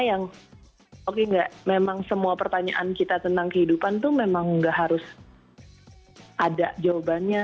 yang oke enggak memang semua pertanyaan kita tentang kehidupan tuh memang nggak harus ada jawabannya